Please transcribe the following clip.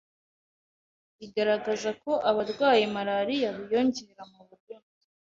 igaragaza ko abarwaye malaria biyongereye mu Burundi